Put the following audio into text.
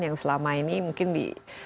yang selama ini mungkin di